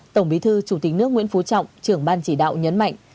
tổng bí thư chủ tịch nước nguyễn phú trọng trưởng ban chỉ đạo nhấn mạnh